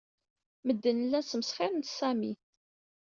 Medden llan smesxiren s Sami.